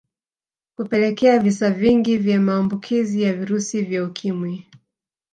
Kupelekea visa vingi vya maambukizi ya virusi vya Ukimwi